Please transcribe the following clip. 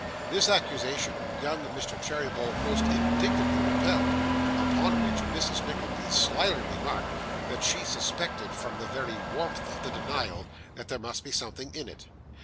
This accusation young Mr. Cheeryble most indignantly repelled, upon which Mrs. Nickleby slyly remarked, that she suspected, from the very warmth of the denial, there must be something in it.